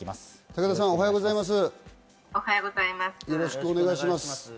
武田さん、おはようございます。